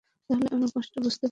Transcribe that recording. তাহলে আমার কষ্ট বুঝতে পারবি।